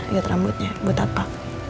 ikat rambutnya buat apa